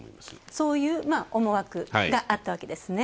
そういう思惑があったわけですね。